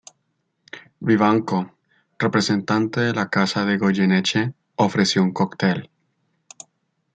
Vivanco, representante de la Casa de Goyeneche, ofreció un cocktail.